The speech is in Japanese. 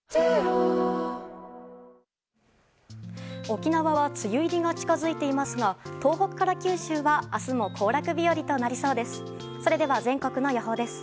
沖縄は梅雨入りが近づいていますが東北から九州は明日も行楽日和となりそうです。